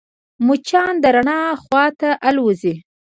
مچان د رڼا خواته الوزي